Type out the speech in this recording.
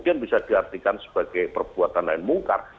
itu yang bisa diartikan sebagai perbuatan naik mungkar